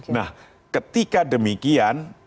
nah ketika demikian